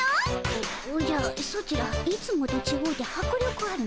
おおじゃソチらいつもとちごうてはくりょくあるの。